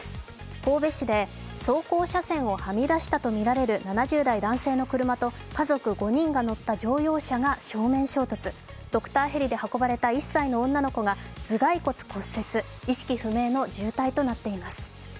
神戸市で走行車線をはみ出したとみられる７０代男性の車と家族５人が乗った乗用車が正面衝突、ドクターヘリで運ばれた女の子が頭蓋骨骨折、意識不明の重体となっています。